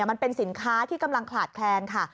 มันเป็นสินค้าที่กำลังขาดแคลนค่ะ